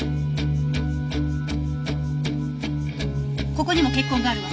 ここにも血痕があるわ。